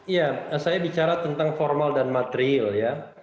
ya saya bicara tentang formal dan material ya